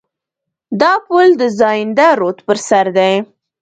دا پل د زاینده رود پر سر دی.